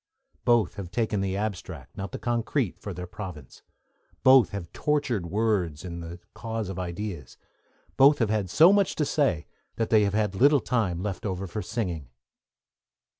Both have taken the abstract, not the concrete, for their province; both have tortured words in the cause of ideas, both have had so much to say that they have had little time left over for singing.